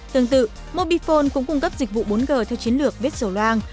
tương tự mobifone cũng cung cấp dịch vụ bốn g theo chiến lược viết sổ loang